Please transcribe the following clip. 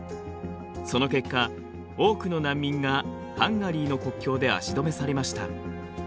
その結果多くの難民がハンガリーの国境で足止めされました。